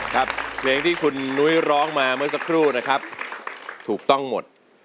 ครับเพลงที่คุณนุ้ยร้องมาเมื่อสักครู่นะครับถูกต้องหมด